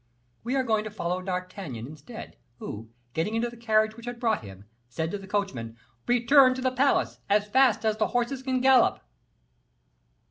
We are going to follow D'Artagnan instead, who, getting into the carriage which had brought him, said to the coachman, "Return to the palace, as fast as the horses can gallop."